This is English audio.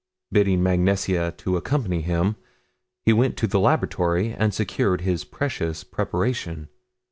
Bidding Mag Nesia to accompany him, he went to the laboratory and secured his precious preparation.